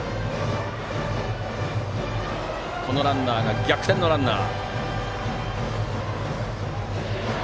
二塁ランナーは逆転のランナー。